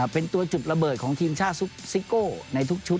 เป็นตัวจุดระเบิดของทีมชาติซุปซิโก้ในทุกชุด